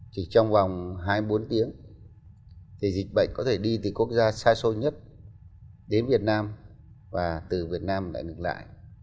chỉ trong vòng hai mươi bốn tiếng thì dịch bệnh có thể đi từ quốc gia xa xôi nhất đến việt nam và từ việt nam lại ngược lại